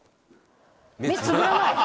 「目つぶらない？」